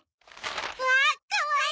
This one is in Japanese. わあかわいい！